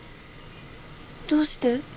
どうして？